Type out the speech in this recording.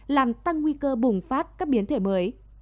làm tăng nguy cơ bùng phát các biến thể mới